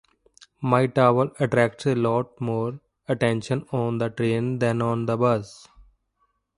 My towel attracts a lot more attention on the train than on the bus.